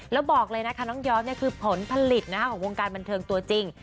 แล้วบอกเลยนะคะน้องยอดคือผลผลิตของวงการบันเทิงตัวจริง